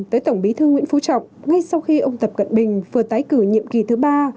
tới tổng bí thư nguyễn phú trọng ngay sau khi ông tập cận bình vừa tái cử nhiệm kỳ thứ ba